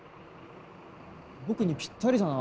僕にぴったりだな。